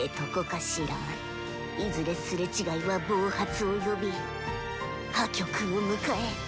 いずれ擦れ違いは暴発を呼び破局を迎え